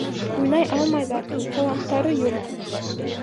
Уйнай алмайҙар, таланттары юҡ!